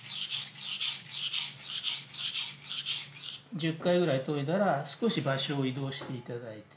１０回ぐらい研いだら少し場所を移動して頂いて。